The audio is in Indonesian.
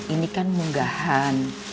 ini kan munggahan